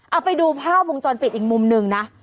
เอาไปดูภาพวงจรปิดอีกมุมหนึ่งนะ